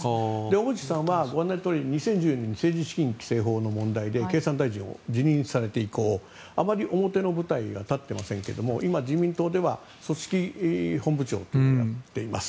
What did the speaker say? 小渕さんは２０１０年に政治資金規正法の問題で経産大臣を辞任されて以降あまり表の舞台には立っていませんけども今、自民党では組織本部長をやっています。